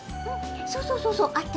そうそうそうそうあってますよ。